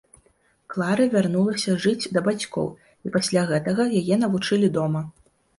Клары вярнулася жыць да бацькоў, і пасля гэтага яе навучылі дома.